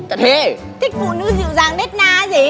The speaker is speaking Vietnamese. thích phụ nữ dịu dàng nét na gì